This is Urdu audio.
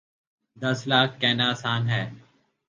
دس لاکھ کہنا آسان ہے۔